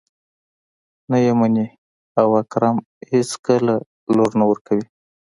نه يې مني او اکرم اېڅکله لور نه ورکوي.